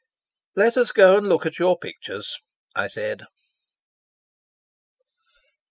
"Let us go and look at your pictures," I said.